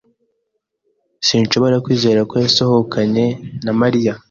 Sinshobora kwizera ko yasohokanye na Mariya